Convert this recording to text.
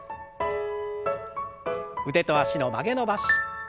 腕と脚の曲げ伸ばし。